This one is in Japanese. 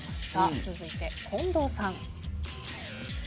続いて近藤さん。